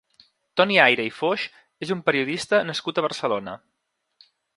Toni Aira i Foix és un periodista nascut a Barcelona.